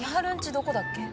どこだっけ？